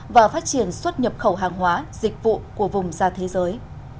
và phát triển xuất nhập khẩu hàng hóa dịch vụ của vùng ra thế giới